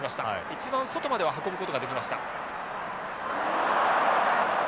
一番外までは運ぶことができました。